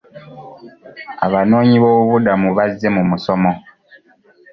Abanoonyiboobubudamu bazze mu musomo.